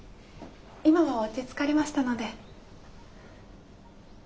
今は落ち着かれましたので。